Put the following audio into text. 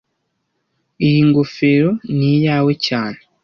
Iyi ngofero ni iyawe cyane